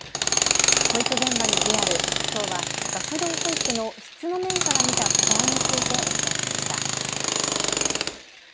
保育現場のリアル、きょうは学童保育の質の面から見た課題についてお伝えしました。